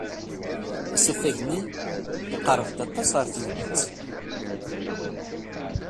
Asafag-nni yeqreb-d aṭas ɣer tegnit.